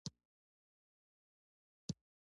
ما د پیرود رسید په بکس کې وساته.